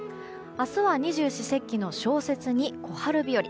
明日は二十四節気の小雪に小春日和。